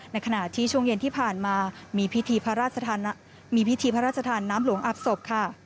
ในขณะที่ช่วงเย็นที่ผ่านมามีพิธีพระราชธรรมน้ำหลวงอับศพ